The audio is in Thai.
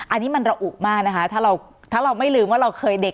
อันนี้มันระอุมากนะคะถ้าเราถ้าเราไม่ลืมว่าเราเคยเด็ก